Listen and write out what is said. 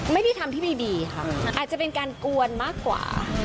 ไม่ได้ทำที่บีบีค่ะอาจจะเป็นการกวนมากกว่า